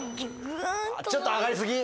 ちょっと上がり過ぎ？